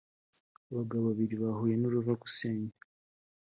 abagabo babiri bahuye n’uruva gusenya